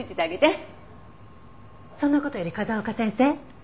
そんな事より風丘先生。